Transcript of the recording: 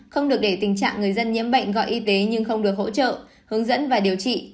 không được để tình trạng người dân nhiễm bệnh gọi y tế nhưng không được hỗ trợ hướng dẫn và điều trị